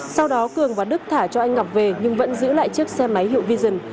sau đó cường và đức thả cho anh ngọc về nhưng vẫn giữ lại chiếc xe máy hiệu vision